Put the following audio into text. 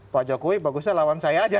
pak jokowi bagusnya lawan saya aja